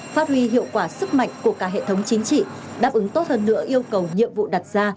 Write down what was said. phát huy hiệu quả sức mạnh của cả hệ thống chính trị đáp ứng tốt hơn nữa yêu cầu nhiệm vụ đặt ra